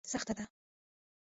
سخته ده.